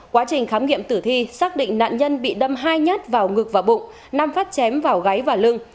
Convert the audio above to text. quá trình khám nghiệm tử thi xác định nạn nhân bị đâm hai nhát vào ngực và bụng nam phát chém vào gáy và lưng